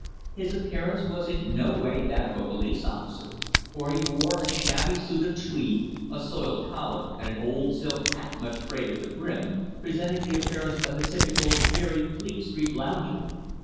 His appearance was in no way that of a police officer, for he wore a shabby suit of tweed, a soiled collar, and an old silk hat much frayed at the brim, presenting the appearance of the typical beery Fleet Street lounger.